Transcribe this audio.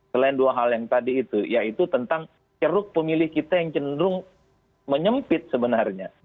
selain dua hal yang tadi itu yaitu tentang ceruk pemilih kita yang cenderung menyempit sebenarnya